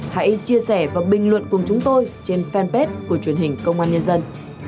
hãy chia sẻ và bình luận cùng chúng tôi trên fanpage của truyền hình công an nhân dân